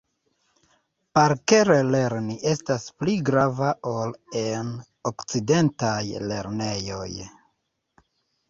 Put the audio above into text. Parkere lerni estas pli grava ol en okcidentaj lernejoj.